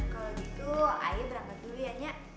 kalau gitu ayah berangkat dulu ya nyak